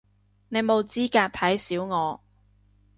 你冇資格睇小我